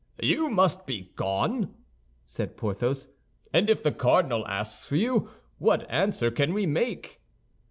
"You must be gone!" said Porthos; "and if the cardinal asks for you, what answer can we make?"